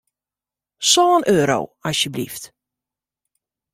Sân euro, asjeblyft.